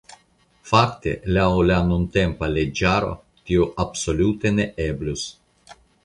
Fakte laŭ la nuntempa leĝaro tio absolute ne eblus.